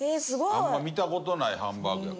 あんまり見た事ないハンバーグ。